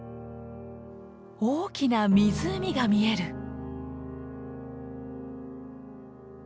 大きな湖が見える。